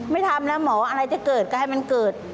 ไม่ทำแล้วหมออะไรจะเกิดก็ให้มันเกิด